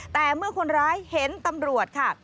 แต่เมื่อคนร้ายเห็นตำรวจค่ะ